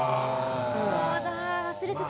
そうだ、忘れてた。